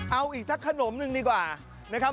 เอาอีกสักขนมนึงดีกว่านะครับ